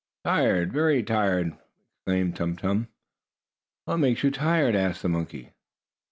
"Tired. Very tired!" exclaimed Tum Tum. "What makes you tired?" asked the monkey.